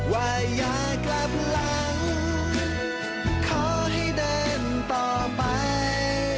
ว่าอย่ากลับหลังขอให้เดินต่อไป